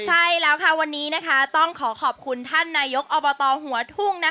ใช่แล้วค่ะวันนี้ต้องขอขอบคุณท่านนายกอบตหัวทุ่ง